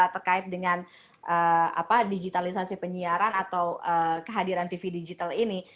terkait dengan digitalisasi penyiaran atau kehadiran tv digital ini